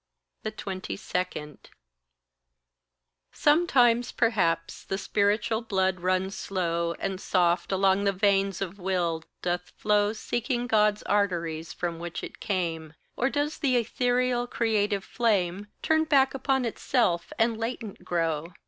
22. Sometimes, perhaps, the spiritual blood runs slow, And soft along the veins of will doth flow, Seeking God's arteries from which it came. Or does the etherial, creative flame Turn back upon itself, and latent grow?